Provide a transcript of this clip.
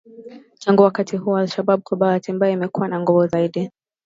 Tangu wakati huo al-Shabab kwa bahati mbaya imekuwa na nguvu zaidi.